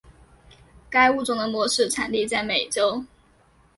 该物种的模式产地在美洲。